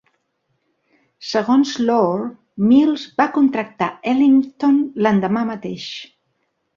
Segons Lore, Mills va contractar Ellington l'endemà mateix.